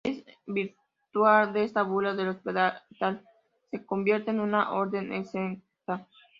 En virtud de esta bula el Hospital se convierte en una Orden exenta.